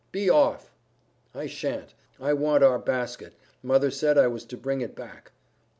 "Be off." "I shan't. I want our basket. Mother said I was to bring it back."